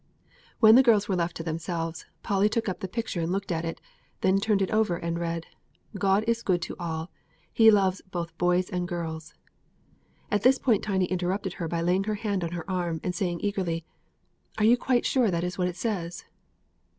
When the girls were left to themselves, Polly took up the picture and looked at it, then turned it over and read, "God is good to all: He loves both boys and girls." At this point Tiny interrupted her by laying her hand on her arm, and saying eagerly: "Are you quite sure that is what it says?"